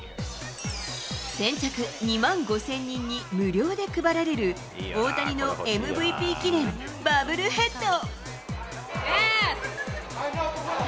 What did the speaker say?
先着２万５０００人に無料で配られる大谷のＭＶＰ記念バブルヘッド。